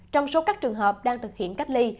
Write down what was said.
trong số các trường hợp đang thực hiện cách ly